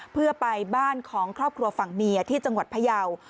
เพื่อไปบ้านของครอบครัวฝั่งเมียที่จังหวัดพยาว